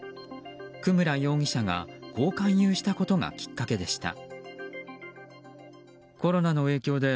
久村容疑者がこう勧誘したことがきっかけでした。